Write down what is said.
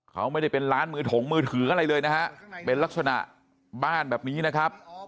เขาไม่ได้เป็นร้านมือถงมือถืออะไรเลยนะฮะเป็นลักษณะบ้านแบบนี้นะครับ